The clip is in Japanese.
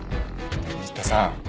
新田さん